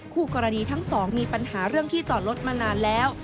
คู่กรณีทั้งสองมีปัญหาเรื่องที่จอดรถมานานแล้ว